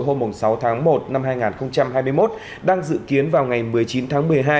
hôm sáu tháng một năm hai nghìn hai mươi một đang dự kiến vào ngày một mươi chín tháng một mươi hai